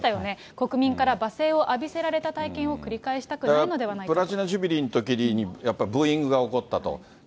国民から罵声を浴びせられた体験を繰り返したプラチナジュビリーのときに、やっぱりブーイングが起こったと。